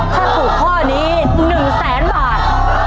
ถ้าภูตข้อนี้หนึ่งแสนบาท